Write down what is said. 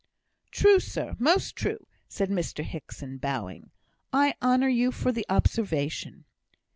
"True, sir; most true," said Mr Hickson, bowing. "I honour you for the observation."